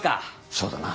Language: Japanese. そうだな。